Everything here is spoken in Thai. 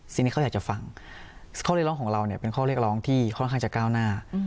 สิ่งที่เขาอยากจะฟังข้อเรียกร้องของเราเนี่ยเป็นข้อเรียกร้องที่ค่อนข้างจะก้าวหน้า